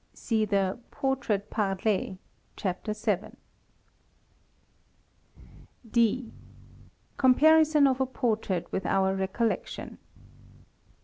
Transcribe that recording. (See the Portrait Parlé, Chapter VII). | (d) Comparison of a portrait with our recollection.